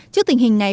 trước tình hình này